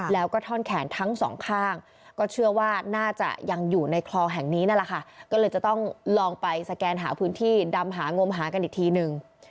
แล้วก็ท่อนแขนทั้งสองข้างก็เชื่อว่าน่าจะยังอยู่ในคลองแห่งนี้นั่นแหละค่ะก็เลยจะต้องลองไปสแกนหาพื้นที่ดำหางมหากันอีกทีนึง